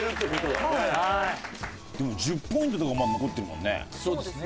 でも１０ポイントとかまだ残ってるもんね。